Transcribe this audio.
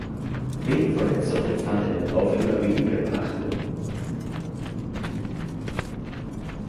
Wegen Verletzungen fand er im Laufe immer weniger Beachtung.